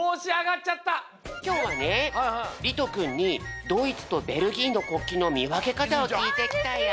きょうはねりとくんにドイツとベルギーの国旗のみわけ方をきいてきたよ！